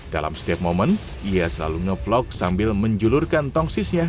dalam setiap momen ia selalu nge vlog sambil menjulurkan tongsisnya